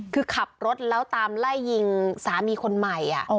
คือขับรถแล้วตามไล่ยิงสามีคนใหม่